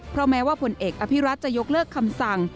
เพราะแม้ว่าผลเอกอภิรัตจะยกเลิกคำสั่ง